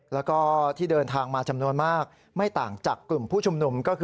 แล้วก็ที่เดินทางมาจำนวนมากไม่ต่างจากกลุ่มผู้ชุมนุมก็คือ